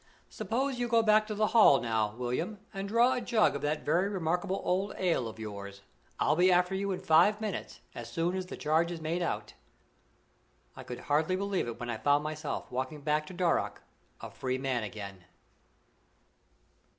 "Suppose you go back to the Hall, now, William, and draw a jug of that very remarkable old ale of yours? I'll be after you in five minutes, as soon as the charge is made out." I could hardly realize it when I found myself walking back to Darrock a free man again.